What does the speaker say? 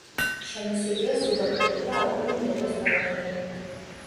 შემოსილია სუბალპური და ალპური მდელოს ბალახეულით.